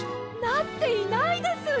なっていないです！